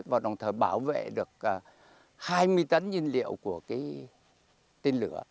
và đồng thời bảo vệ được hai mươi tấn nhiên liệu của cái tên lửa